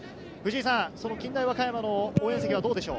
近大和歌山の応援席はどうでしょう。